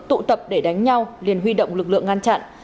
tụ tập để đánh nhau liền huy động lực lượng ngăn chặn